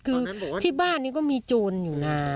คือที่บ้านนี้ก็มีโจรอยู่นะ